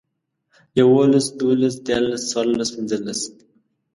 يوولس، دوولس، ديارلس، څوارلس، پينځلس